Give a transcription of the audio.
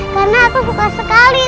karena aku buka sekali